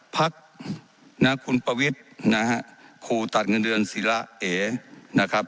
พักนะคุณประวิทย์นะฮะขู่ตัดเงินเดือนศิละเอนะครับ